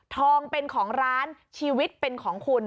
ทองเป็นของร้านชีวิตเป็นของคุณ